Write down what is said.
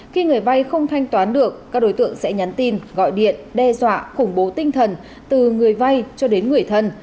khi người vay không thanh toán được các đối tượng sẽ nhắn tin gọi điện đe dọa khủng bố tinh thần từ người vay cho đến người thân